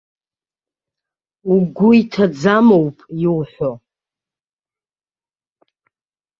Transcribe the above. Угәы иҭаӡамоуп иуҳәо.